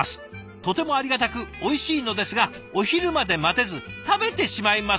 とてもありがたくおいしいのですがお昼まで待てず食べてしまいます」。